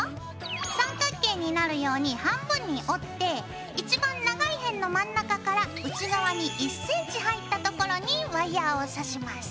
三角形になるように半分に折って一番長い辺の真ん中から内側に１ｃｍ入ったところにワイヤーを刺します。